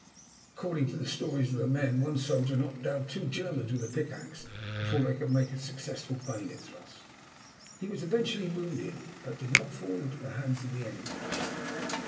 According to the stories of the men, one soldier knocked two Germans down with a pickaxe before they could make a successful bayonet thrust. He was eventually wounded but did not fall into the hands of the enemy.